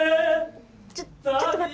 ちょちょっと待って。